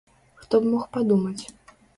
Хто б мог падумаць.